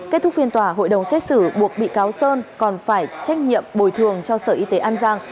kết thúc phiên tòa hội đồng xét xử buộc bị cáo sơn còn phải trách nhiệm bồi thường cho sở y tế an giang